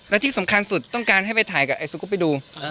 และที่สำคัญสุดต้องการให้ไปถ่ายกับไอ้สกุปปี้ดู